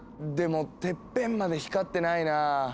でもてっぺんまで光ってないな。